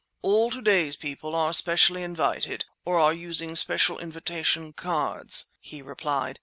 All to day's people are specially invited, or are using special invitation cards," he replied.